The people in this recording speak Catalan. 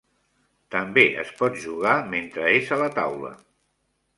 També es pot jugar mentre és a la taula.